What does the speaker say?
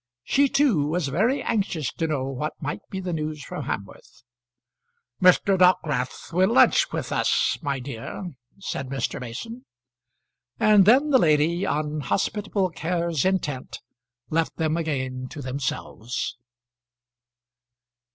She too was very anxious to know what might be the news from Hamworth. "Mr. Dockwrath will lunch with us, my dear," said Mr. Mason. And then the lady, on hospitable cares intent, left them again to themselves.